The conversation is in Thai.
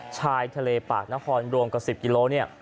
ช่ายทะเลปากนครร่วมกว่า๑๐ยิโลเมตร